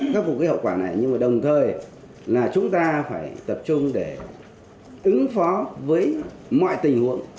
khắc phục cái hậu quả này nhưng mà đồng thời là chúng ta phải tập trung để ứng phó với mọi tình huống